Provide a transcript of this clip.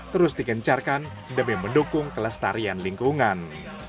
terus digencarkan demi mendukung kelestarian lingkungan